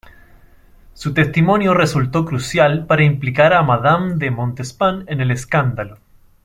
Su testimonio resultó crucial para implicar a Madame de Montespan en el escándalo.